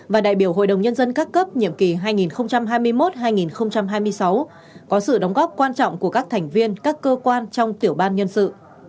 và đại biểu hội đồng nhân dân các cấp nhiệm kỳ hai nghìn hai mươi một hai nghìn hai mươi sáu có sự đóng góp quan trọng của các thành viên các cơ quan trong tiểu ban nhân sự